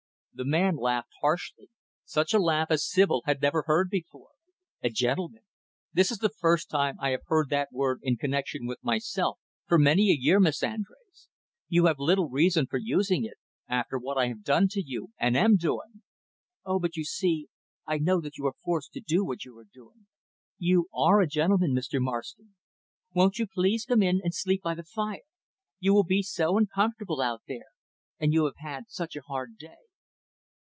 The man laughed harshly such a laugh as Sibyl had never before heard. "A gentleman! This is the first time I have heard that word in connection with myself for many a year, Miss Andrés. You have little reason for using it after what I have done to you and am doing." "Oh, but you see, I know that you are forced to do what you are doing. You are a gentleman, Mr. Marston. Won't you please come in and sleep by the fire? You will be so uncomfortable out there. And you have had such a hard day."